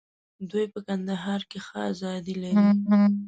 دوی په کندهار کې ښه آزادي لري.